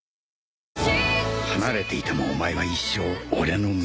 離れていてもお前は一生俺の娘だ。